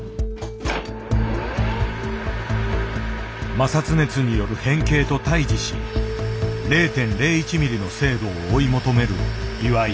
摩擦熱による変形と対峙し０．０１ミリの精度を追い求める岩井。